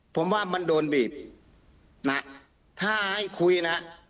ผมว่ามันโดนบีบนะถ้าให้คุยนะ